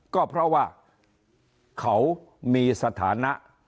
ก็เพราะว่าเขามีสถานะ